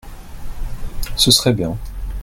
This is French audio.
ce serait bien.